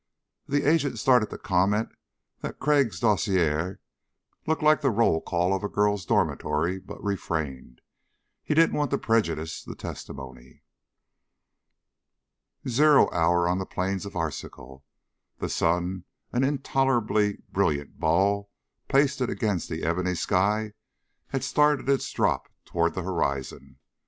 The agent started to comment that Crag's dossier looked like the roll call of a girl's dormitory but refrained. He didn't want to prejudice the testimony. Zero hour on the plains of Arzachel. The sun, an intolerably brilliant ball pasted against the ebony sky, had started its drop toward the horizon.